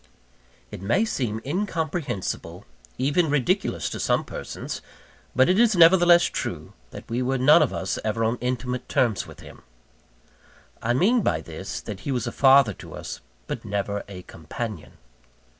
It may seem incomprehensible, even ridiculous, to some persons, but it is nevertheless true, that we were none of us ever on intimate terms with him. I mean by this, that he was a father to us, but never a companion.